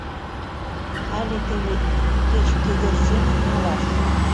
— Але теве кеч кӧгӧрченым налаш...